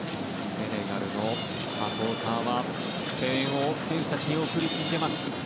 セネガルのサポーターは声援を選手たちに送り続けます。